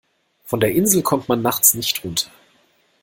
Von der Insel kommt man nachts nicht runter.